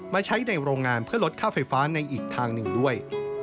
มาใช้ในโรงงานเพื่อลดค่าไฟฟ้าในอีกทางหนึ่งด้วย